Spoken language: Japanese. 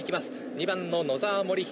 ２番の野沢守弘